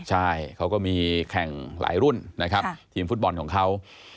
ใช่เขาก็มีแข่งหลายรุ่นนะครับทีมฟุตบอลของเขา